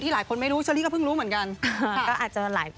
หลายคนไม่รู้เชอรี่ก็เพิ่งรู้เหมือนกัน